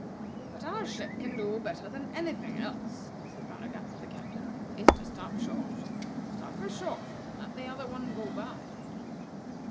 "What our ship can do better than any thing else," said Baragat to the Captain, "is to stop short. Stop her short, and let the other one go by."